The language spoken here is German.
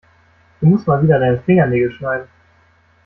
Du musst mal wieder deine Fingernägel schneiden.